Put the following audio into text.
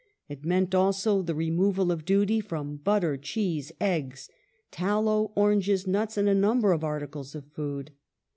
It meant also the removal of duty from butter, cheese, eggs, tallow, oranges, nuts, and a number of articles of food.